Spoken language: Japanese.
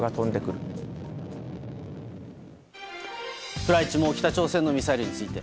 プライチも北朝鮮のミサイルについて。